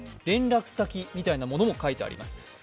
連絡先みたいなものも書いてあります。